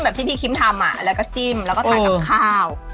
ที่พี่คิมทำแล้วก็จิ้มแล้วก็ทานกับข้าว